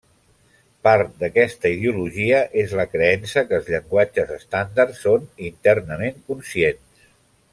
Part d’aquesta ideologia és la creença que els llenguatges estàndard són internament conscients.